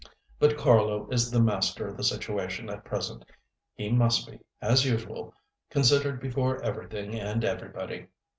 But Carlo is the master of the situation at present—he must be, as usual, considered before everything and everybody.